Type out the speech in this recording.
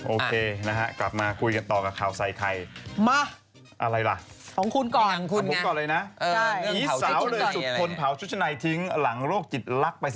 โอเคนะฮะกลับมาคุยกันต่อกับข่าวใส่ใครมาอะไรล่ะของคุณก่อนของคุณก่อนเลยนะ